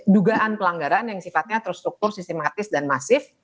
dugaan pelanggaran yang sifatnya terstruktur sistematis dan masif